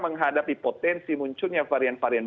menghadapi potensi munculnya varian varian